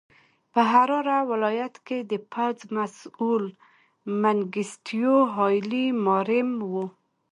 په حراره ولایت کې د پوځ مسوول منګیسټیو هایلي ماریم و.